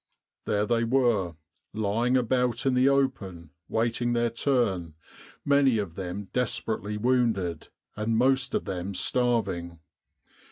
There they were, lying about in the open, waiting their turn, many of them desperately wounded, and most of them starving.